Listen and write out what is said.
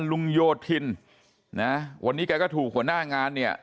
ลุงโยธินนะฮะวันนี้แกก็ถูกขวาน่างานเนี้ย